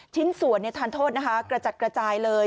ชิ้นส่วนทานโทษนะคะกระจัดกระจายเลย